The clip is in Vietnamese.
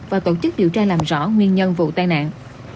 và tổ chức điều tra làm rõ nguyên nhân vụ tai nạn